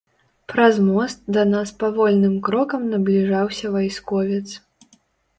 Праз мост да нас павольным крокам набліжаўся вайсковец.